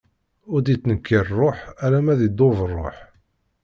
Ur d-ittnekkar ṛṛuḥ alamma idub ṛṛuḥ.